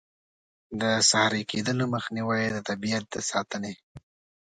د صحرایې کیدلو مخنیوی، د طبیعیت د ساتنې.